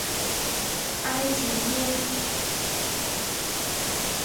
埃吉耶。